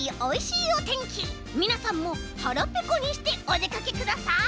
みなさんもはらぺこにしておでかけください！